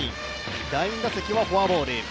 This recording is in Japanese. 第２打席はフォアボール。